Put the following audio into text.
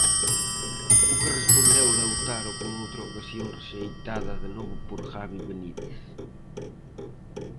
O que respondeu Lautaro con outra ocasión rexeitada de novo por Javi Benítez.